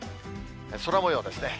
空もようですね。